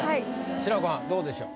志らくはんどうでしょう？